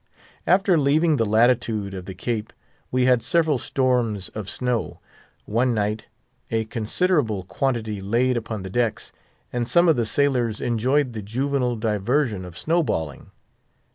After leaving the latitude of the Cape, we had several storms of snow; one night a considerable quantity laid upon the decks, and some of the sailors enjoyed the juvenile diversion of snow balling.